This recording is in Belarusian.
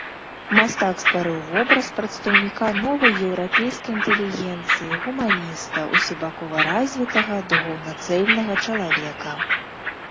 Мастак стварыў вобраз прадстаўніка новай еўрапейскай інтэлігенцыі, гуманіста, усебакова развітага, духоўна цэльнага чалавека.